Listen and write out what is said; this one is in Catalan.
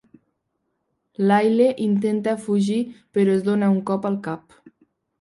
Lyle intenta fugir però es dona un cop al cap.